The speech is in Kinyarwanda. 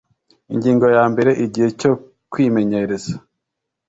ingingo ya mbere igihe cyo kwimenyereza